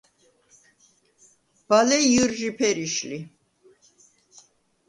ბალე ჲჷრჟი ფერიშ ლი.